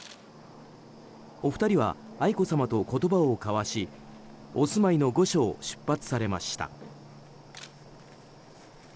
お二人は、愛子さまと言葉を交わしお住まいの御所を出発されました。